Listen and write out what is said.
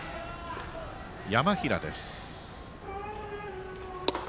山平です。